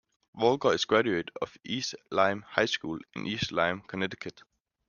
Walker is a graduate of East Lyme High School in East Lyme, Connecticut.